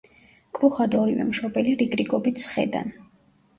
კრუხად ორივე მშობელი რიგრიგობით სხედან.